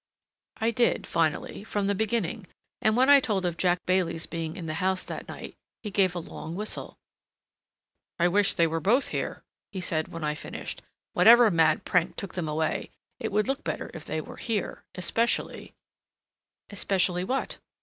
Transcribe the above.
I did, finally, from the beginning, and when I told of Jack Bailey's being in the house that night, he gave a long whistle. "I wish they were both here," he said when I finished. "Whatever mad prank took them away, it would look better if they were here. Especially—" "Especially what?"